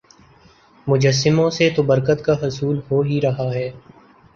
مجسموں سے تو برکت کا حصول ہو ہی رہا ہے